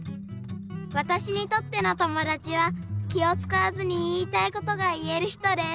わたしにとっての友だちは気をつかわずに言いたいことが言える人です。